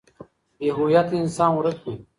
بې هويته انسان ورک وي.